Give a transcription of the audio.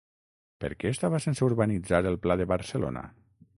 Per què estava sense urbanitzar el Pla de Barcelona?